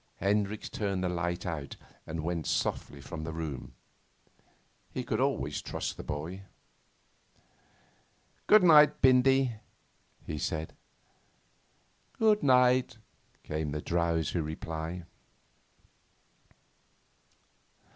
Hendricks turned the light out and went softly from the room. He could always trust the boy. 'Good night, Bindy,' he said. 'Good night,' came the drowsy reply.